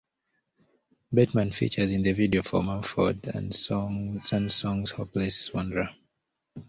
Bateman features in the video for Mumford and Sons song "Hopeless Wanderer".